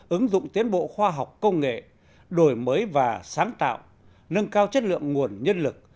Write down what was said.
ứng dụng tiến bộ khoa học công nghệ đổi mới và sáng tạo nâng cao chất lượng nguồn nhân lực